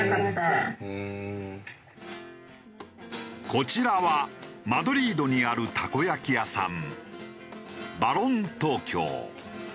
こちらはマドリードにあるたこ焼き屋さんＢＡＬＮＴＯＫＩＯ。